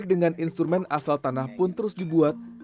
kadang kadang itu sangat